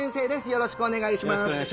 よろしくお願いします